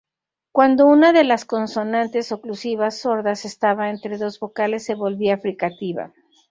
Cuando una de las consonantes oclusivas sordas estaba entre dos vocales se volvía fricativa.